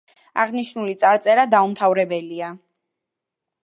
აღნიშნული წარწერა დაუმთავრებელია.